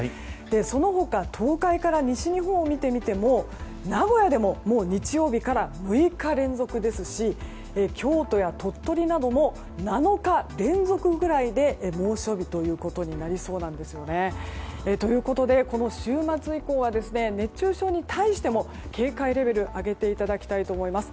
その他、東海から西日本を見てみても名古屋でも日曜日から６日連続ですし京都や鳥取なども７日連続ぐらいで猛暑日ということになりそうです。ということで、この週末以降は熱中症に対しても警戒レベルを上げていただきたいと思います。